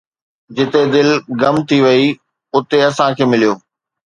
جتي دل گم ٿي وئي، اتي اسان کي مليو